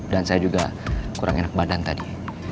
saya juga kurang enak badan tadi